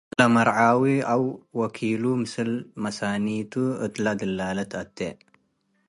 ለመርዓዊ አው ወኪሉ ምስል መሳኒቱ እት ለድላለት አቴ ።